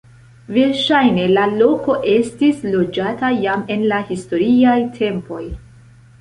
Verŝajne la loko estis loĝata jam en la historiaj tempoj.